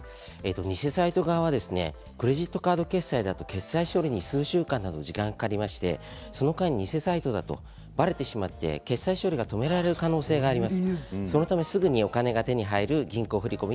偽サイト側はクレジットカード決済だと決済に数週間の時間がかかりましてその間、偽サイトだとばれてしまって決済処理が止められる可能性があるんです。